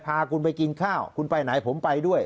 พาคุณไปกินข้าวคุณไปไหนผมไปด้วย